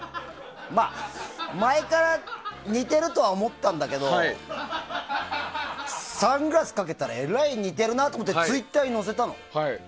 前から似てるとは思ってたんだけどサングラスかけたらえらい似てるなと思ってツイッターに乗せたの。